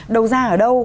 đầu ra ở đâu